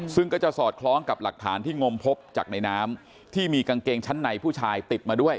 ซึ่งก็จะสอดคล้องกับหลักฐานที่งมพบจากในน้ำที่มีกางเกงชั้นในผู้ชายติดมาด้วย